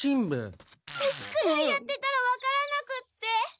宿題やってたらわからなくって。